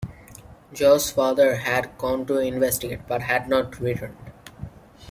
Jo's father had gone to investigate but had not returned.